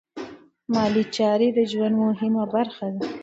مالي چارې د ژوند مهمه برخه ده.